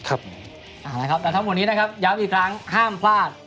เอาละครับแต่ทั้งหมดนี้นะครับย้ำอีกครั้งห้ามพลาด